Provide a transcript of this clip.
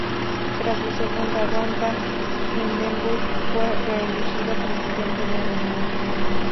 Tras la segunda ronda, Hindenburg fue reelegido Presidente de Alemania.